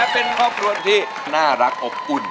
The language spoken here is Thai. เป็นครอบครัวที่น่ารักอบอุ่น